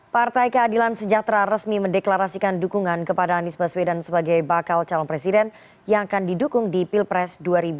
partai keadilan sejahtera resmi mendeklarasikan dukungan kepada anies baswedan sebagai bakal calon presiden yang akan didukung di pilpres dua ribu dua puluh